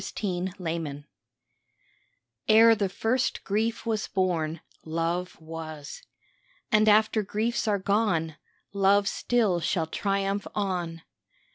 LOVE TRIUMPHANT Ere the first grief was born Love was. And after griefs are gone Love still shall triumph on.